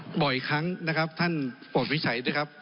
เอ็กเลยมาอีกครั้งนะครับท่านท่านปวดวิทย์ไชย์นะครับ